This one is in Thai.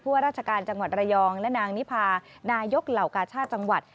ว่าราชการจังหวัดระยองและนางนิพานายกเหล่ากาชาติจังหวัด